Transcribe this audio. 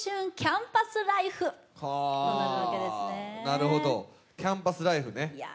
なるほど、キャンパスライフね。